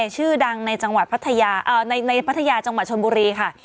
ชื่อดังในพัทยาจังหวัดชนบุรีค่ะ